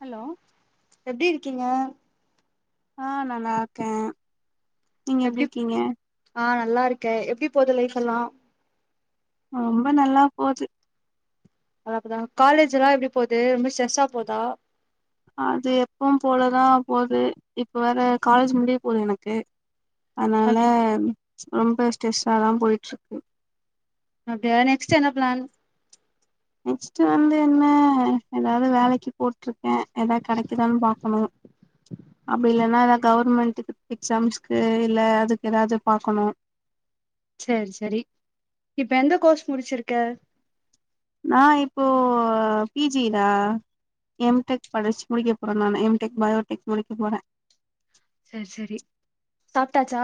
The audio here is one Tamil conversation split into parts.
ஹலோ எப்டி இருக்கீங்க ஆ நா நல்லார்க்கே நீங்க எப்டி இருக்கீங்க ஆ நல்லாருக்கே எப்டி போது லைஃப்ஃபெல்லா ரொம்ப நல்லா போது அத அப்டித்தா காலேஜிலா எப்டி போது ரொம்போ ஸ்ட்ரெஸ்ஸா போதா அது எப்பவு போலதா போது இப்ப வேறே காலேஜ் முடிய போது எனக்கு அதனால அப்டி ரொம்போ ஸ்ட்ரெஸாதா போயிட்ருக்கு அப்டியா நெக்ஸ்டு என்ன பிளான் நெக்ஸ்ட் வந்து என்ன எதாவது வேலைக்கு போட்டிருக்கே எதா கெடைக்குதான்னு பாக்கணு அப்டி இல்லன்னா அதான் கவர்மெண்ட்டுக்கு எக்ஸாம்ஸ்க்கு இல்ல அதுக்கு எதாவது பாக்கணு சேர் சரி இப்ப எந்த கோர்ஸ் முடிச்சிருக்க நான் இப்போ பி ஜிடா எம் டெக் படிச்சு முடிக்க போறே நான் எம் டெக் பயோடெக் முடிக்க போறே சேர் செரி சாப்ட்டாச்சா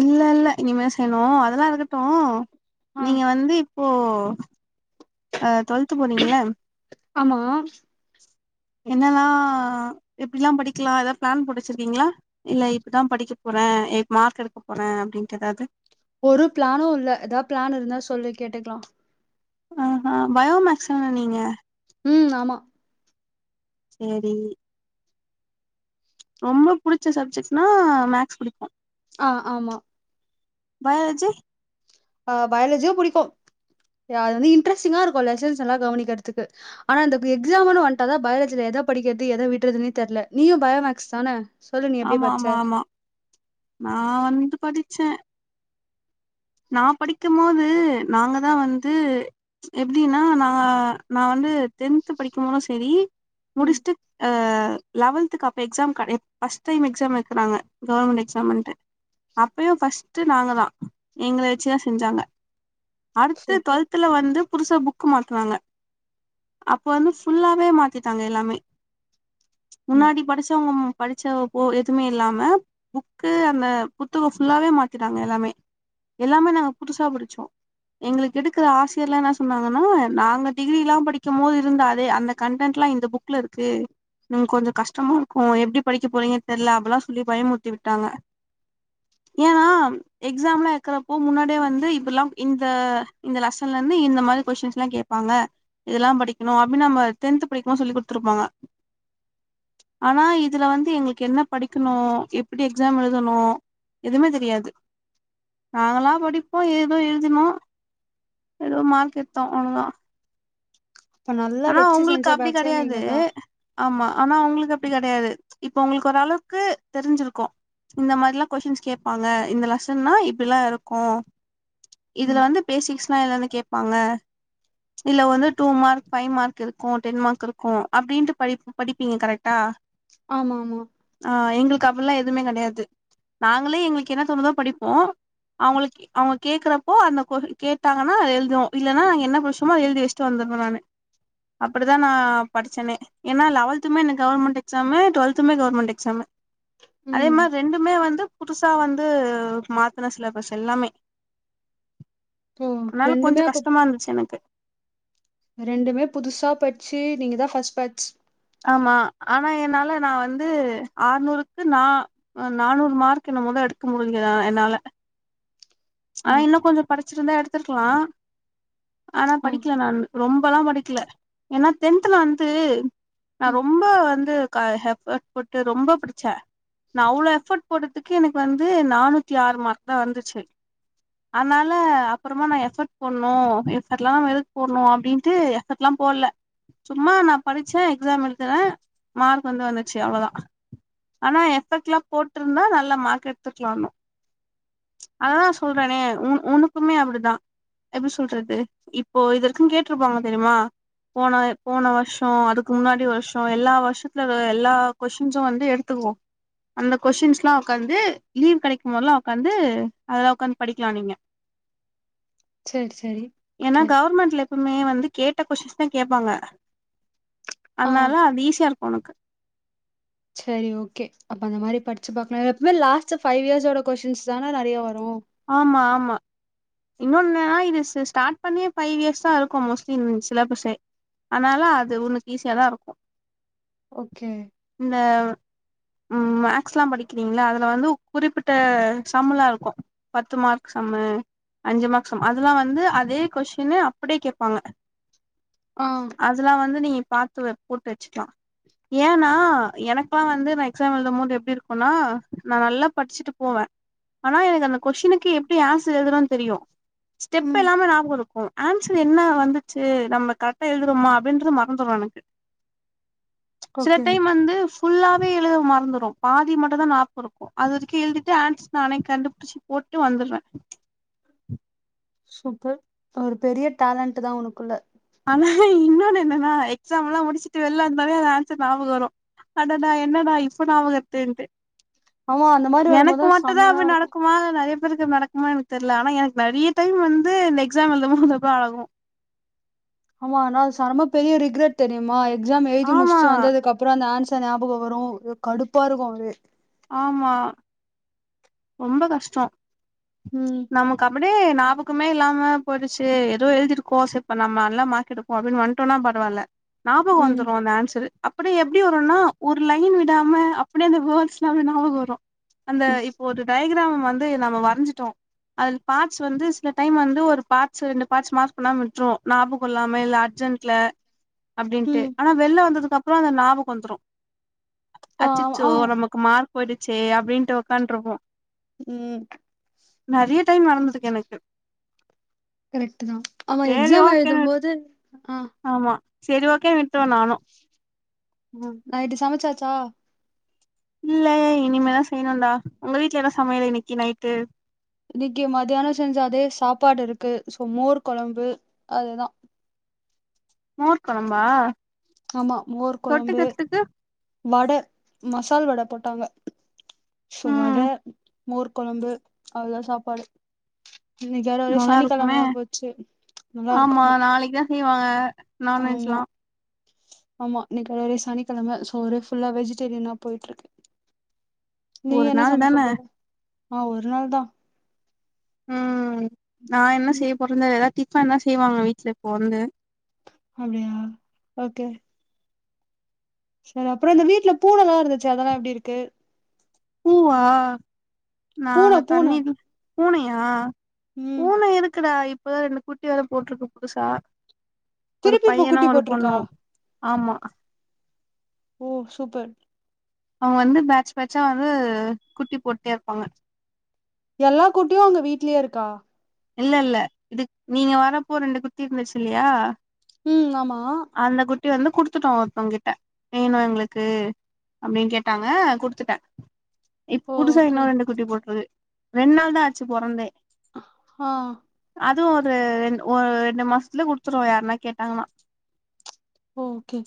இல்லல்ல இனிமே செய்ணு அதெலா இருக்கட்டு ஆ நீங்க வந்து ஓ ஓ ஓ டுவெல்த்து போறீங்கள்ள ஆமா என்னன்னா எப்டிலா படிக்கலா எதாது பிளான் போட்டு வச்சிருக்கீங்ளா இல்ல இப்டிதான் படிக்க போறே எயிட் மார்க் எடுக்க போறே அப்டின்ட்டு எதாவது ஒரு பிளானு இல்ல எதா பிளான் இருந்தா சொல்லு கேட்டுக்லா ஆஹா பயோ மேக்ஸ் தான நீங்க ம் ஆமா சேரி ரொம்ப புடிச்ச சப்ஜெக்ட்னா மேக்ஸ் புடிக்கும் ஆ ஆமா பயாலஜி ஆ பயாலஜியோ புடிக்கும் அது வந்து இன்ட்ரெஸ்டிங்கா இருக்கும் லெசன்ஸ் எல்லா கவனிக்றதுக்கு ஆனா இந்த எக்ஸாம்ன்னு வந்ட்டாதா பயாலஜில எத படிக்கிறது எத விட்றதுன்னே தெரில நீயும் பயோமக்ஸ் தானே ஆமா ஆமா ஆமா நா வந்து படிச்சே நா படிக்கு போது நாங்க தான் வந்து எப்டின்னா நா நா வந்து டென்த் படிக்கு போது செரி ம் முடிச்ட்டு ஆ லெவல்த்து அப்ப எக்ஸாம் கடயாது ஃபர்ஸ்ட் டைம் எக்ஸாம் வக்கிறாங்க கவர்மெண்ட் எக்ஸாம்ன்ட்டு அப்பயும் ஃபர்ஸ்ட் நாங்க தா எங்கள வச்சுதான் செஞ்சாங்க அடுத்து சூப்பர் டுவெல்த் த்துல வந்து புதுசா புக்கு மாத்துனாங்க அப்ப வந்து ஃபுல்லாவே மாத்திட்டாங்க எல்லாமே ம் முன்னாடி படிச்சவங்க படிச்ச போ எதுமே இல்லாம புக்கு அந்த புத்தக ஃபுல்லாவே மாத்திட்டாங்க எல்லாமே எல்லாமே நாங்க புதுசா படிச்சோ எங்களுக்கு எடுக்கிற ஆசியர்லாம் என்ன சொன்னாங்கன்னா நாங்க டிகிரி எல்லாஸபடிக்கும் போது இருந்த அதே அந்த கண்டென்ட்லாம் இந்த புக் ல இருக்கு நீங்க கொஞ்ச கஷ்டமா இருக்கும் எப்டி படிக்க போறீங்க தெரில அப்டில்லா சொல்லி பயமுறுத்தி விட்டாங்க ஏனா எக்ஸாம்லாம் இருக்கிறப்போ முன்னாடியே வந்து இப்பல்லா இந்த லெசன்ல இருந்து இந்த மாரி கொஸின்ஸ்லாம் கேப்பாங்க இதெல்லாம் படிக்கணு அப்டின்னு நம்ம டென்த் படிக்கும் போதுசொல்லி குத்துருப்பாங்க ஆனா இதுல வந்து எங்களுக்கு என்ன படிக்கணு எப்டி எக்ஸாம் எழுதணு எதுமே தெரியாது நாங்களா படிப்போம் ஏதோ எழுதினோ எதோ மார்க் எத்தோம் அவ்ளோ தான் இப்ப நல்லா ஆனா வச்சு செஞ்ச உங்களுக்கு அப்டி பேட்ச்சே கெடையாது நீங்க தா ஆமா ஆனா அவங்களுக்கு அப்டி கெடையாது இப்ப உங்களுக்கு ஓரளவுக்கு தெரிஞ்சிருக்கும் இந்த மாரிலா கொஸின்ஸ் கேப்பாங்க இந்த லெசன்ன்னா இப்டிலாம் இருக்கும் இதுல ம் வந்து பேசிக்ஸ்ல்லா என்னனு கேப்பாங்க இதுல வந்து டூ மார்க் ஃபைவ் மார்க் இருக்கும் டென் மார்க் இருக்கு அப்டின்ட்டு படி படிப்பீங்க கரெக்டா ஆமா ஆமா ஆ எங்களுக்கு அப்புல்லா எதுமே கடையாது நாங்களே எங்களுக்கு என்ன தோணுதோ படிப்போ அவங்களுக்கு அவங்க கேக்குறப்போ அந்த கேட்டாங்கன்னா அது எழுதுவோ இல்லன்னா நாங்க என்ன கொஸ்டி படிச்சோமோ எழுதி வச்சிட்டு வந்துடுவ நானு அப்டி தா நா படிச்சனே ஏன்னா லெவல்துமே கவர்ன்மெண்ட் எக்ஸாமு டுவெல்துமே கவர்மெண்ட் எக்ஸாமு அதே ம் மாரி ரெண்டுமே வந்து புதுசா வந்து மாத்தின சிலபெஸ் எல்லாமே ஓ அதனால கொஞ்ச ரெண்டுமே அப்ப கஷ்டமா இருந்துச்சு எனக்கு ரெண்டுமே புதுசா பச்சு நீங்க தான் ஃபர்ஸ்ட் பேச் ஆமா ஆனா என்னால நான் வந்து ஆறுநூறுக்கு நா நானூறு மார்க் என்னமோதா எடுக்க முடிஞ்சதா என்னால ஆ ஆனா இன்னும் கொஞ்சம் படிச்சிருந்தா எடுத்திருக்கலாம் ஆனா ஆ படிக்கல நானு ரொம்பலாம் படிக்கல ஏன்னா டென்துல வந்து நான் ம் ரொம்ப வந்து கால எஃபர்ட் போட்டு ரொம்ப பிடிச்சே நா அவ்வளோ எஃபர்ட் போட்டதுக்கே எனக்கு வந்து நானூத்தி ஆறு மார்க் தான் வந்துச்சு அனால அப்புறமா நான் எஃபர்ட் போணும் எஃபர்ட்ல்லாம் நம் எதுக்கு போடணும் அப்படின்ட்டு எஃபர்ட் எல்லாம் போடல சும்மா நான் படிச்சேன் எக்ஸாம் எழுதுனேன் மார்க் வந்து வந்துச்சு அவ்வளோதான் ஆனா எஃபெக்ட்லாம் போட்ருந்தா நல்லா மார்க் எடுத்துக்கலாம் இன்னும் அதான் சொல்றனே உன் உன்னக்குமே அப்டிதான் எப்படி சொல்றது இப்போ இதுவரைக்கு கேட்ருப்பாங்க தெரியுமா போன போன வருஷோ அதுக்கு முன்னாடி வருஷோ எல்லா வருஷத்துலவே எல்லா கொஷ்டின்ஸு வந்து எடுத்துக்குவோ அந்த கொஷ்டின்ஸ்ல்லா உக்காந்து லீவ் கெடைக்கும் போதெல்லா ஒக்காந்து அதெல்லா ஒட்காந்து படிக்கலா நீங்க சரி சரி ஏன்னா ஓகே கவர்மெண்ட்ல எப்போமே வந்து கேட்ட கொஷ்டின்ஸ் தா கேப்பாங்க ஆ அதனால அது ஈஸிய இருக்கு உனக்கு செரி ஓக்கே அப்ப அந்த மாறி படிச்சு பாக்கலா எப்பமே லாஸ்ட் பைவ் இயர்ஸோட கொஷ்டின்ஸ் தானே நறையா வரு ஆமா ஆமா இன்னொன்னா இது சிஸ் ஸ்டார்ட் பண்ணியே ஃபைவ் இயர்ஸ் தா இருக்கு மோஸ்ட்லி சிலபஸே ஆனாலு அது உனக்கு ஈஸியாதா இருக்கு ஓக்கே இந்த உம் மேக்ஸ்ல்லா படிக்கிறீங்களா அதுல வந்து குறிப்பிட்ட சம்ளா இருக்கு பத்து மார்க்கு சம்மு அஞ்சு மார்க் சம்மு அதெல்லா வந்து அதே கொஷ்டினு அப்படியே கேப்பாங்க [inaudible] ஆ அதெல்லா வந்து நீங்க பாத்து வ போட்டு வச்சுக்கலா ஏன்னா எனக்குலா வந்து நா எக்ஸாம் எழுதும் போது எப்படி இருக்கும்னா நா நல்லா படிச்சுட்டு போவே ஆனா எனக்கு அந்த கொஷ்டினுக்கு எப்படி ஆன்சர் எழுதுணுனு தெரியு ஸ்டெப்பு ம் எல்லாமே நாபகோ இருக்கு ஆன்சர் என்னா வந்துச்சு நம்ம கரெக்டா எழுதுறோமா அப்படின்றது மறந்துரு எனக்கு சில ஓகே டைம் வந்து ஃபுல்லாவே எழுத மறந்துரு பாதி மட்டு தா ஞாபகோ இருக்கு அது வரைக்கு எழுதிட்டு ஆண்ஸ்ஸர் நானே கண்டுபுடிச்சி போட்டு வந்துருவே சூப்பர் ஒரு பெரிய டேலண்ட் தா உனக்குள்ள ஆனா இன்னொன்னு என்னன்னா எக்ஸாம் எல்லா முடிச்சுட்டு வெள்ள வந்தோனே அந்த ஆன்சர் ஞாபகோ வரு அடடா என்னடா இப்ப ஞாபகோ வருதுன்டு ஆமா அந்த மாரி எனக்கு வரும்போதுதா மட்டுதா செமையா அப்டி இருக்கு நடக்குமா இல்ல நறையப்பெ நறைய பேருகக்கு நடக்குமா எனக்கு தெர்ல ஆனா எனக்கு நெறைய டைம் வந்து இந்த எக்ஸாம் எழுதும்போது அப்படியாகு ஆமா ஆனா செம பெரிய ரிக்ரெட் தெரியுமா எக்ஸாம் எழுதி ஆமா முடிச்சுட்டு வந்ததுக்கு அப் அப்புறோ அந்த ஆன்சரா ஞாபகோ வரு ஏ கடுப்பா இருக்கு அது ஆமா ரொம்ப கஷ்டோ உம் நமக்கு அப்படேயே ஞாபகமே இல்லாம போயிடுச்சு ஏதோ எழுதிருக்கோ சேரி இப்ப நம்ம நல்ல மார்க் எடுப் ஓ அப்படின்னு வந்துட்டோன்னா பரவால்ல ஞாபகோ ம் வந்துரு அந்த ஆன்சரு அப்றோ எப்டி வருன்னா ஒரு லைன் விடாம அப்டியே அந்த வேர்ட்ஸ்லா அப்ப நியாபகோ வரு அந்த இப் ஒரு டயகிராம வந்து நம்ம வரஞ்சிட்டோ அதுல பாட்ஸ் வந்து சில டைம் வந்து ஒரு பாட்ஸ் ரெண்டு பாட்ஸ் மார்க் பண்ணாம விட்ருவோ ஞாப இல்லாம இல்ல அர்ஜெட் ல அப்டின்ட்டு ம் ஆனா வெள்ள வந்ததுக்கு அப்பற அந்த ஞாபக வந்துரு ஆ ஆமா அச்சிச்சோ நமக் மார்க் போயிடுச்சே அப்டின்ட்டு உக்காந்திருப்போ ம் நறைய டைம் வளந்திருக்கு எனக்கு கரெக்ட் தா ஆமா சேரி எக்ஸாம் ஓகேன்னு எழுதும் போது ஆ ஆமா சேரி ஓகே விட்டுறுவே நானு ம் நைய்ட்டு சமச்சாச்சா இல்ல இனிமே தா செய்ணுடா உங்க வீட்ல என்ன சமையல் இன்னிக்கி நைட்டு இன்னைக்கி மத்தியானம் செஞ்சா அதே சாப்பாடு இருக்கு சோ மோர் கொழம்பு அதுதா மோர் கொழம்பா ஆமா மோர் கொழம்பு தொட்டுக்கறதுக்கு வட மசால் வட போட்டாங்க சோ ம் வட மோர் கொழம்பு அவ்ள் தா சாப்பாடு இன்னிக்கு வேற ஒரே நல்லா இருக்குமே சனிக்கிழமையா போச்சி ஆமா நாளைக்கு தா செய்வாங்க நான் ஆமா வெஜ்ல்லா ஆமா இன்னிக்கி ஒர சனிக்கிழம சோ ஒரே ஃபுல்லா வெஜிடேரியனா போயிட்டு இருக்கு நீ ஒரு என்ன நாள் சமைக்க தான போற ஆ ஒரு நாள் தா ம் நா என்ன ம், செய்ய போறேந்த ஏதாவது டிஃபன் தா செய்வாங்க வீட்டுல இப்போ வந்து அப்டியா ஓகே சேரி அப்றோ இந்த வீட்டுல பூனெல்லா இருந்துச்சு அதெல்லா எப்டி இருக்கு பூவா நாங்க பூனை பூனை தண்ணில பூனையா ம் பூன எதுக்குடா இப்ப வேற ரெண்டு குட்டி வேற போட்ருக்கு புதுசா ஒரு திருப்பி இப்ப பையனு குட்டி ஒரு போட்டிருக்கா பொண்ணு ஆமா ஓ சூப்பர் அவன் வந்து பேட்ச் பேட்சா வந்து குட்டி போட்டே இருப்பாங்க எல்லா குட்டியு உங்க வீட்லியே இருக்கா இல்ல இல்ல இது நீங்க வரப்போ ரெண்டு குத்தி இருந்துச்சு இல்லையா ம் ஆமா அந்த குட்டி வந்து குடுத்துட்டோ ஒருத்தவ கிட்ட வேணு எங்களுக்கு அப்டின்னு கேட்டாங்க குடுத்துட்டே இப் புதுசா ஓகே இன்னோ ரெண்டு குட்டி போட்ருக்கு ரெண்டு நாள் தா ஆச்சு பொறந்தே ஆ அதுவு ஒரு ரெ ஒரு ரெண்டு மாசத்துல குடுத்துருவோ யார்ன்னா கேட்டாங்கன்னா ஓகே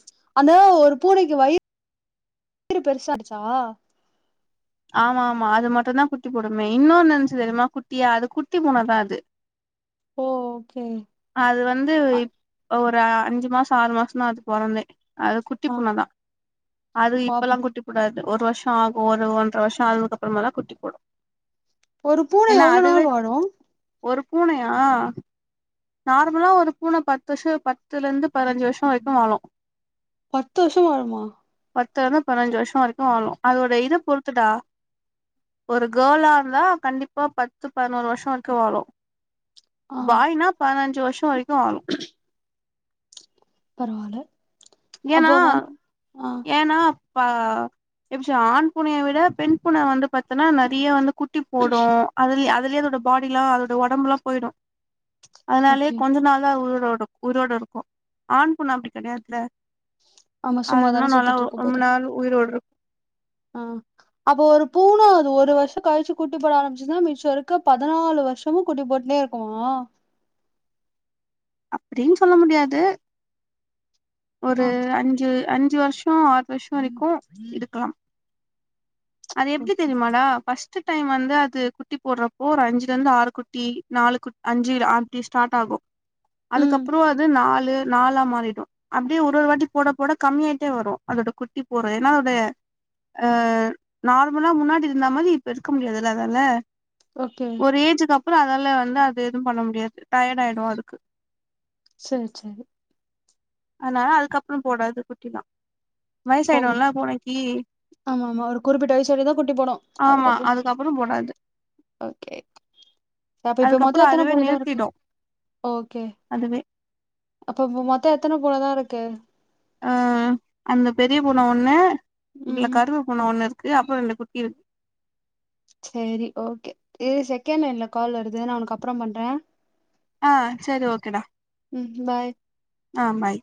அந்த ஒரு பூனைக்கு வயிறு பெருசாச்சா ஆமா ஆமா அது மட்டுந்தா குட்டி போடுமே இன்னொன்னு நினச்சு தெரியுமா குட்டியா அது குட்டி பூனதா அது [inaudible] ஒ ஓகே அது வந்து இப் ஒரு அஞ்சு மாசோ ஆறு மாசோ தா அவுது பொறந்தே அது குட்டி ஆ பூனதா அது இப்பல்லா பாப்போம் குட்டி போடாது ஒரு வருஷ ஆகு ஒரு ஒன் இத்தன வருஷோ அனாதுக்கப்றோதா குட்டி போடு ஒரு பூனை ஏன்னா எவ்ளோ அதுவே நாள் வாழு ஒரு பூனையா நார்மலா ஒரு பூனை பத்து வர்ஷோ பத் பத்துல இருந்து பதினெஞ்சு வருஷோ வரைக்கு வாழு பத்து வருஷம் வாழுமா பத்துல இருந்து பதினஞ்சு வருஷசோ வரைக்கு வாழு அதோட இத பொறுத்துடா ஒரு கேர்ளா இருந்தா கண்டிப்பா பத்து பதினோரு வருஷோ வரைக்கு வாழு ஆ பாயினா பதினஞ்சு வருஷோ வரைக்கு வாழு [inaudible] பரவால்ல ஏன்னா ஏன்னா எப்ப [unintelligible] ஆண் பூனைய விட பெண் பூனை வந்து பாத்தன்னா நறைய வந்து குட்டி போடு அதுலே அதுலயே அதோட பாடி எல்லா அதோட ஒடம்பு எல்லா போயிடு அதனாலேயே ஓகே கொஞ்சு நாள்தா உயிரோடு உயிரோடு இருக்கு ஆண் பூனை அப்படி கெடையாதுல ஆமா அதுனா சும்மாதான நல்லா சுத்திட்டு இருக்க ரொம்ப போது நாள் உயிரோட இருக்கு ஆ அப்ப ஒரு பூனா ஒரு வர்ஷொ கழ்ச்சு குட்டி போட ஆரம்பிச்சுன்னா மிச்சொ இருக்க பதினாலு வருஷமு குட்டி போட்டுனே இருக் [inaudible] அப்டின் சொல்ல முடியாது ஒரு ஆ அஞ்சு அஞ்சு வர்ஷோ ஆறு வர்ஷொ வரிக்கு இருக்கலா அது எப்டி ஓகே தெரியுமாடா ஃபஸ் ட்டு டைம் வந்து அது குட்டி போடுறப்போ ஒரு அஞ்சுல இருந்து ஆறு குட்டி நாலு குட் அஞ்சு ஆப்டி ஸ்டார்ட் ஆகு ம் அதுக்கப்புறொ அது நாலு நாலா மாறிடு அப்டியே ஒரு ஒரு வாட்டி போட போட கம்மியாயிட்டே வரு அதோட குட்டி போடுற ஏன்னா அது அ நார்மலா முன்னாடி இருந்த மாதி இப்போ இருக்க முடியாதுல்ல அதால ஓகே ஒரு ஏஜ்கு அப்புறொ அதால வந்து அது எதுவு பண்ண முடியாது டயர்டா ஆயிடு அது [inaudible] சேரி சேரி அதுனால அதுக்கப்றொ போடாது குட்டிலா போடு வயசாய்டுல்ல பூனைக்கி ஆமா ஆமா ஒரு குறிப்பிட்ட வயசு வரையு தா குட்டி போடு அது அ அதுக்கப்பறொ போடாது ஓகே அப்ப இப்ப மொத்தொ அதுக்கப்புறோ எத்தன அதுவே பூன தா இருக்கு நிறுத்திடு ஓகே அதுவே அப்ப இப்பொ மொத்தொ எத்தன பூனதா இருக்கு ஆ அந்த பெரிய பூன ஒன்னு இதுல ம் கருப்பு பூன ஒன்னு இருக்கு அப்பறொ ரெண்டு குட்டி இருக்கு சேரி ஓகே இரு செகெண்ட் லைன்ல கால் வருது நா உனக்கு அப்றொ பண்றே அ சேரி ஓகேடா ம் பாய் அ பாய்